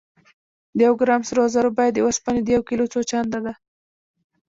د یو ګرام سرو زرو بیه د اوسپنې د یو کیلو څو چنده ده.